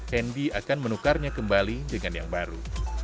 hendy akan menukarnya kembali dengan yang baru